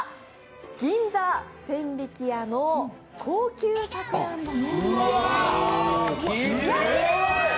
銀座千疋屋の高級さくらんぼです。